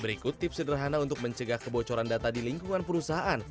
berikut tips sederhana untuk mencegah kebocoran data di lingkungan perusahaan